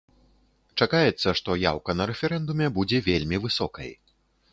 Чакаецца, што яўка на рэферэндуме будзе вельмі высокай.